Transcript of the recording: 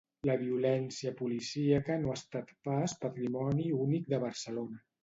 La violència policíaca no ha estat pas patrimoni únic de Barcelona.